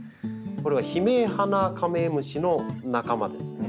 これはヒメハナカメムシの仲間ですね。